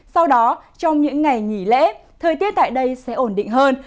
sau đó trong những ngày nghỉ lễ thời tiết tại đây sẽ ổn định hơn